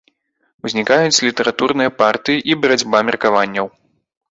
Узнікаюць літаратурныя партыі і барацьба меркаванняў.